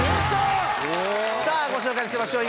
さぁご紹介しましょう！